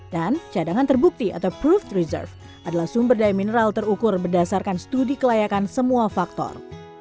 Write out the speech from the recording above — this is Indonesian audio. cadangan terbukti atau proof reserve adalah sumber daya mineral terukur berdasarkan studi kelayakan semua faktor